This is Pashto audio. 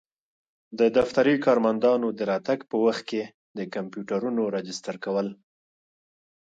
د دفتري کارمندانو د راتګ په وخت کي د کمپیوټرونو راجستر کول.